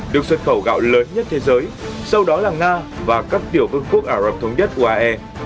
được xuất khẩu gạo lớn nhất thế giới sau đó là nga và các tiểu vương quốc ả rập thống nhất uae